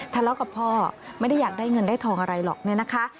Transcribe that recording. ทะเลาะกับพ่อไม่ได้อยากได้เงินได้ทองอะไรหรอกเนี่ยนะคะ